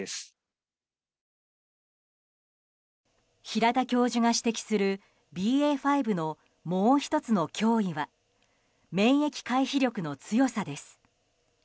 平田教授が指摘するＢＡ．５のもう１つの脅威は免疫回避力の強さです。